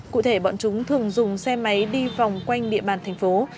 cụ thể bọn chúng thường dùng xe máy đi vòng quanh địa bàn tp hcm